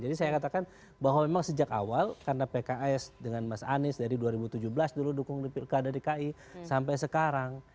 jadi saya katakan bahwa memang sejak awal karena pks dengan mas anies dari dua ribu tujuh belas dulu dukung di pki sampai sekarang